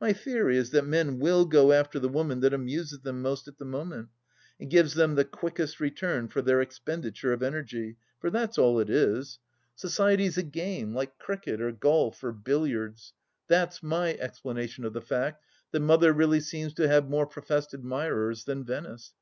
My theory is that men will go after the woman that amuses them most at the moment and gives them the quickest return for their expenditure of energy, for that's all it is. Society's THE LAST DITCH 7 a game, like cricket or golf or billiards. That's my explana tion of the fact that Mother really seems to have more professed admirers than Venice.